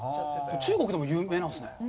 中国でも有名なんですね。